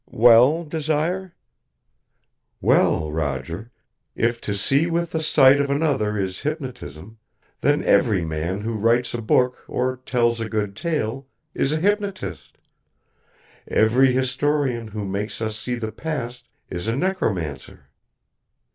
_'" "Well, Desire?" "Well, Roger if to see with the sight of another is hypnotism, then every man who writes a book or tells a good tale is a hypnotist; every historian who makes us see the past is a necromancer."